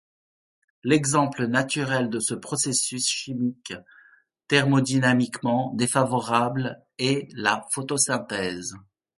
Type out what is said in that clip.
L'exemple naturel de ce processus chimique thermodynamiquement défavorable est la photosynthèse.